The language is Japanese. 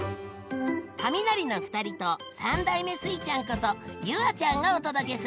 カミナリの２人と３代目スイちゃんこと夕空ちゃんがお届けする。